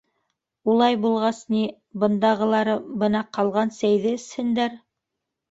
— Улай булғас ни, бындағылары бына ҡалған сәйҙе эсһендәр.